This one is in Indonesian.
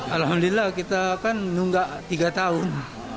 alhamdulillah kita kan nunggak tiga tahun